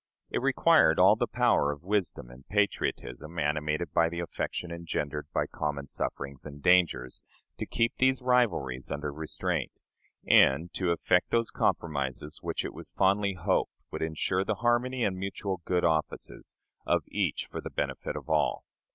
It required all the power of wisdom and patriotism, animated by the affection engendered by common sufferings and dangers, to keep these rivalries under restraint, and to effect those compromises which it was fondly hoped would insure the harmony and mutual good offices of each for the benefit of all.